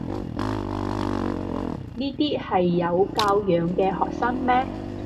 呢啲係有教養嘅學生咩？